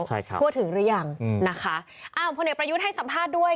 ใช่ครับทั่วถึงหรือยังอืมนะคะอ้าวพลเอกประยุทธ์ให้สัมภาษณ์ด้วย